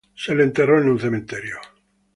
Se le enterró en su propia iglesia de Clonard.